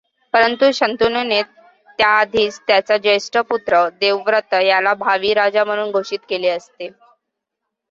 परंतु शंतनूने त्याआधीच त्याचा जेष्ठ पुत्र देवव्रत याला भावी राजा म्हणून घोषित केले असते.